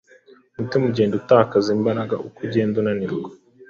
umutima ugenda utakaza imbaraga ukagenda unanirwa,